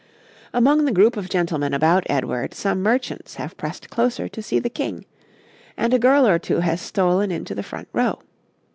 Among the group of gentlemen about Edward some merchants have pressed closer to see the King, and a girl or two has stolen into the front row.